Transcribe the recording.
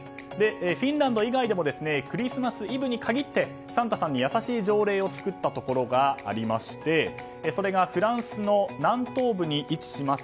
フィンランド以外でもクリスマスイブに限ってサンタさんに優しい条例を作ったところがあってそれが、フランスの南東部に位置します